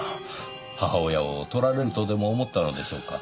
母親を取られるとでも思ったのでしょうか？